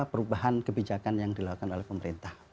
perubahan kebijakan yang dilakukan oleh pemerintah